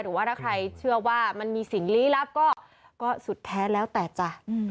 หรือว่าถ้าใครเชื่อว่ามันมีสิ่งลี้ลับก็สุดแท้แล้วแต่จ้ะ